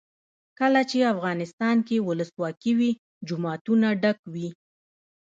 کله چې افغانستان کې ولسواکي وي جوماتونه ډک وي.